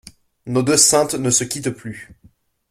Nos deux saintes ne se quittent plus.